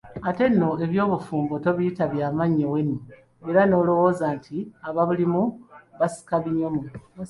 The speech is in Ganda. Ate nno eby'obufumbo tobiyita bya mannyo wenu era n'olowooza nti ababulimu basiika binyomo!